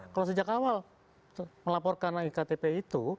kalau sejak awal melaporkan lagi ktp itu